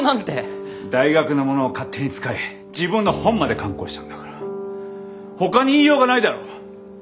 大学のものを勝手に使い自分の本まで刊行したんだからほかに言いようがないだろう？